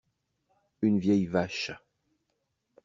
Une vieille vache.